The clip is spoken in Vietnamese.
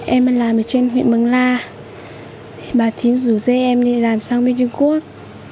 em đã làm ở trên huyện bằng la bà thím rủ dây em đi làm sang bên trung quốc